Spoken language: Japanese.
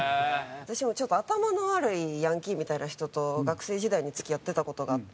私もちょっと頭の悪いヤンキーみたいな人と学生時代に付き合ってた事があって。